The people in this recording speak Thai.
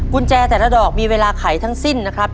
กุญแจแต่ละดอกมีเวลาไขทั้งสิ้น